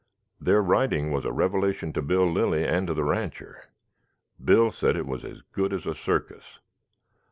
Their riding was a revelation to Bill Lilly and to the rancher. Bill said it was as good as a circus.